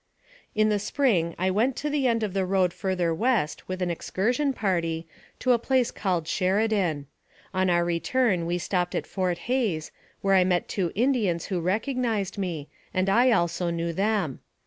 In the spring I went to the end of the road further west, with an excursion party, to a place called Sheri dan. On our return we stopped at Fort Hays, where I met two Indians who recognized me, and I also knew them.